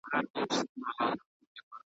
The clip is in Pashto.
کښتۍ سورۍ څښتن ګمراه دی په توپان اعتبار نسته .